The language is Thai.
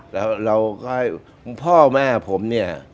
แล้วเราก็ให้พ่อแม่ผมเนี่ย